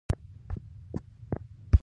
زه دلته خوبونو پسې نه کیسو پسې راغلی یم.